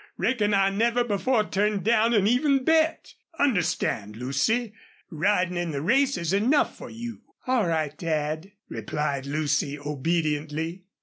Reckon I never before turned down an even bet. Understand, Lucy, ridin' in the race is enough for you." "All right, Dad," replied Lucy, obediently.